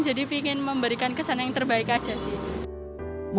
jadi ingin memberikan kesan yang terbaik aja sih